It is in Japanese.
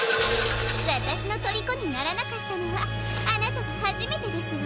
わたしのとりこにならなかったのはあなたがはじめてですわ。